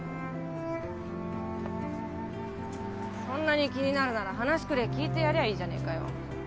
そんなに気になるなら話くれえ聞いてやりゃいいじゃねえかよ。